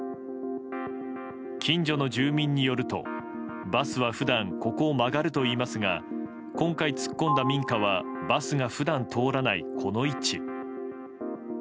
近所の住民によるとバスは普段ここを曲がるといいますが今回突っ込んだ民家はバスが普段通らない、この位置。